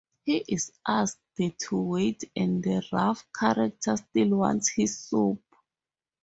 He is asked to wait and the rough character still wants his soup.